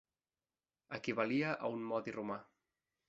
Equivalia a un modi romà.